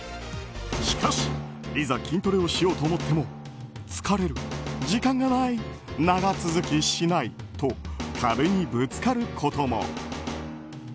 しかしいざ筋トレをしようと思っても疲れる、時間がない長続きしないと壁にぶつかることも。